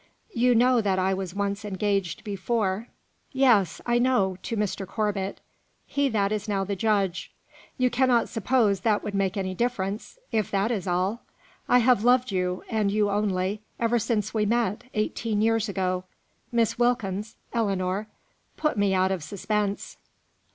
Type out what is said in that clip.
"You know that I was once engaged before?" "Yes! I know; to Mr. Corbet he that is now the judge; you cannot suppose that would make any difference, if that is all. I have loved you, and you only, ever since we met, eighteen years ago. Miss Wilkins Ellinor put me out of suspense."